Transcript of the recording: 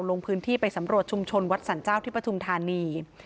ลงพื้นที่ไปสำรวจชุมชนวัดสรรเจ้าที่ปฐุมธานี